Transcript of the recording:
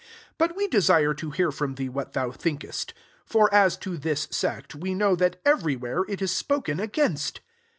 22 But we desire to bear from thee what thou thinkest: for, as to this sect, we know that every where it is spoken against."